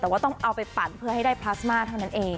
แต่ว่าต้องเอาไปปั่นเพื่อให้ได้พลาสมาเท่านั้นเอง